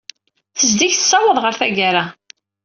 Tezdeg tessawaḍ ɣer taggara.